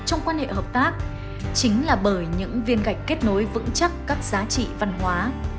trong quan hệ hợp tác chính là bởi những viên gạch kết nối vững chắc các giá trị văn hóa